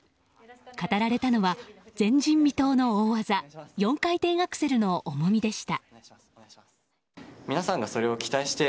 語られたのは前人未到の大技４回転アクセルの重みでした。